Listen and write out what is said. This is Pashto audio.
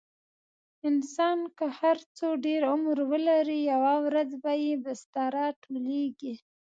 انسان که هر څو ډېر عمر ولري، یوه ورځ به یې بستره ټولېږي.